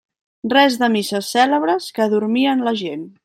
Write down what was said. Res de misses cèlebres, que adormien la gent.